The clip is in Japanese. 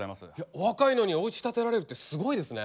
お若いのにおうち建てられるってすごいですね。